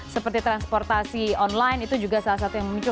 seperti transportasi online itu juga salah satu yang memicu